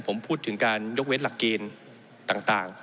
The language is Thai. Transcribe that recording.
ผมพูดถึงการยกเว้นหลักเกณฑ์ต่าง